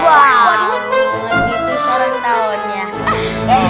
wah mau gitu sarang tawonnya